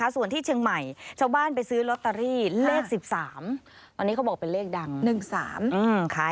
ส่วนที่เฉียงใหม่ชาวบ้านไปซื้อรอตารี่เลข๑๓